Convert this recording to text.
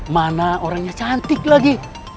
mana orangnya cantik lagi